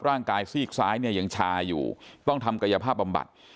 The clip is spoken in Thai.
ซีกซ้ายเนี่ยยังชาอยู่ต้องทำกายภาพบำบัด